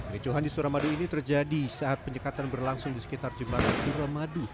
ricuhan di suramadu ini terjadi saat penyekatan berlangsung di sekitar jembatan suramadu